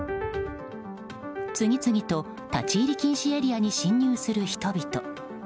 次々と立入禁止エリアに侵入する人々。